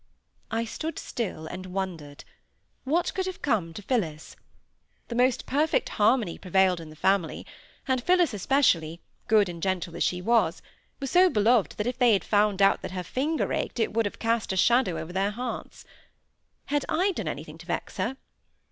I stood still and wondered. What could have come to Phillis? The most perfect harmony prevailed in the family, and Phillis especially, good and gentle as she was, was so beloved that if they had found out that her finger ached, it would have cast a shadow over their hearts. Had I done anything to vex her?